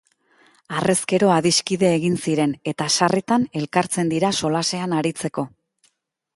Harrezkero adiskide egin ziren, eta sarritan elkartzen dira solasean aritzeko.